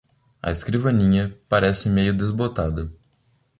A escrivaninha parece meio desbotada